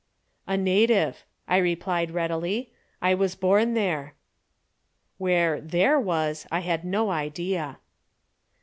"A native!" I replied readily. "I was born there." Where "there" was I had no idea.